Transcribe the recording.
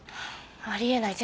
あり得ない。